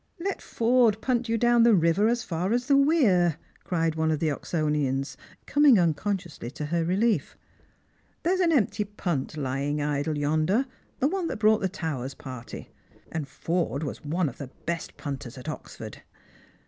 " Let Forde punt you down the river as far as the weir," cried one of the Oxonians, coming unconsciously to her relief. " There's an empty punt lying idle yonder, the one that brought the Towers party; and Forde was one of the best punters at Oxford."